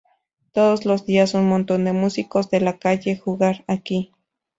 Todos los días un montón de músicos de la calle jugar aquí.